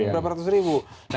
berapa ratus ribu ya